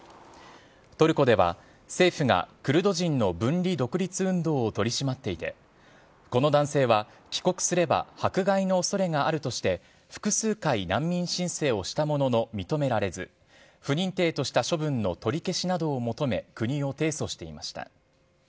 トルコでは、政府がクルド人の分離独立運動を取り締まっていて、この男性は帰国すれば迫害のおそれがあるとして、複数回、難民申請をしたものの認められず、不認定とした処分の取り消しなどを求め、国を提訴していました。